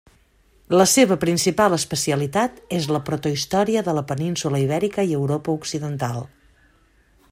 La seva principal especialitat és la protohistòria de la península Ibèrica i Europa Occidental.